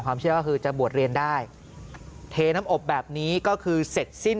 เชื่อก็คือจะบวชเรียนได้เทน้ำอบแบบนี้ก็คือเสร็จสิ้น